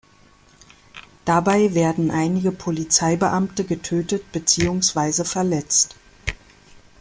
Dabei werden einige Polizeibeamte getötet beziehungsweise verletzt.